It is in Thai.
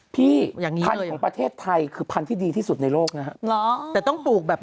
พี่พันธุ์ของประเทศไทยคือพันธุ์ที่ดีที่สุดในโลกนะครับ